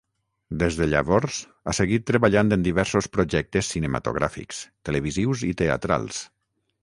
Des de llavors, ha seguit treballant en diversos projectes cinematogràfics, televisius i teatrals.